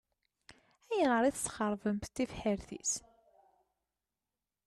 Ayɣer i tesxeṛbemt tibḥirt-is?